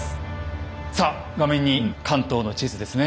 さあ画面に関東の地図ですね。